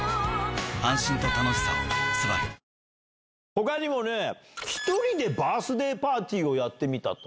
ほかにもね、１人でバースデーパーティーをやってみたと。